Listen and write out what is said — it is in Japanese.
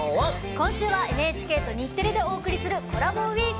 今週はＮＨＫと日テレでお送りするコラボウイーク。